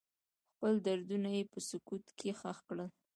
خپل دردونه مې په سکوت کې ښخ کړل.